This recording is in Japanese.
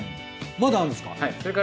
まだあるんですか？